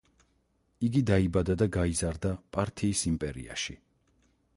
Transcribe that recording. იგი დაიბადა და გაიზარდა პართიის იმპერიაში.